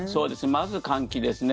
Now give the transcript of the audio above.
まず換気ですね。